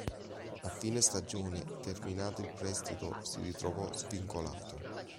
A fine stagione, terminato il prestito, si ritrovò svincolato.